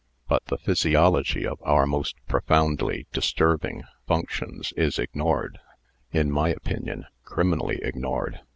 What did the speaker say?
But the physio logy of our most profoundly disturbing functions is ignored — in my opinion, criminally ignored.